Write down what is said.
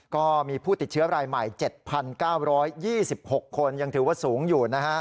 ก็มีผู้ติดเชื้อรายใหม่๗๙๒๖คนยังถือว่าสูงอยู่นะฮะ